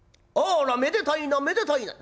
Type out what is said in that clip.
『あらめでたいなめでたいな』」。